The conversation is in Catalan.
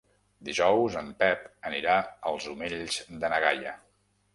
Dijous en Pep anirà als Omells de na Gaia.